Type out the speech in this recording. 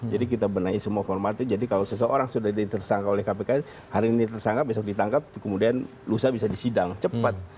jadi kita benahi semua formatnya jadi kalau seseorang sudah ditersangka oleh kpk hari ini tersangka besok ditangkap kemudian lusa bisa disidang cepat